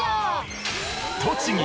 栃木